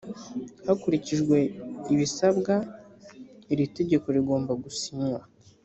hakurikijwe ibisabwa iri tegeko rigomba gusinywa